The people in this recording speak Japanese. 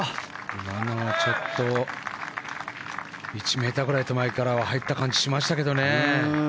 今のはちょっと１ｍくらい手前から入った感じ、しましたけどね。